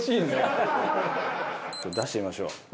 出してみましょう。